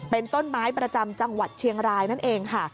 เป็นต้นไม้ประจำจังหวัดเชียงรายนั่นเองค่ะ